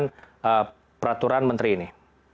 bagaimana peraturan menteri ini